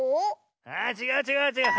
あちがうちがうちがう。